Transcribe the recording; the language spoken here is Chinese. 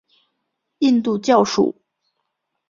印度教属。